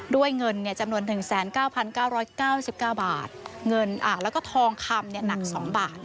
ด้วยเงินจำนวน๑๙๙๙๙บาทเงินแล้วก็ทองคำหนัก๒บาท